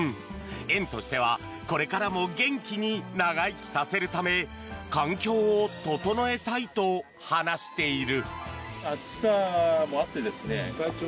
園としてはこれからも元気に長生きさせるため環境を整えたいと話している。